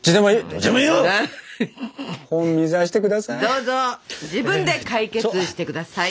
どうぞ自分で解決してください。